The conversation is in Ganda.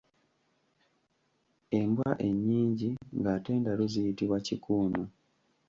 Embwa ennyingi ng'ate ndalu ziyitibwa kikuuno.